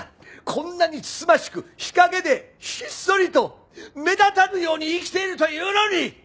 こんなに慎ましく日陰でひっそりと目立たぬように生きているというのに！